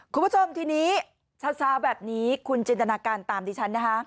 คุณผู้ชมทีนี้เช้าแบบนี้คุณจินตนาการตามดิฉันนะคะ